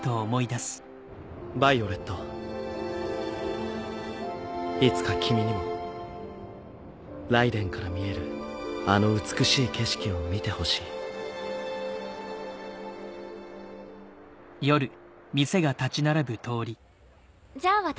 ヴァイオレットいつか君にもライデンから見えるあの美しい景色を見てほしいじゃあ私